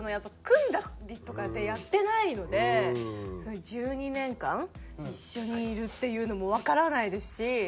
組んだりとかでやってないので１２年間一緒にいるっていうのもわからないですし。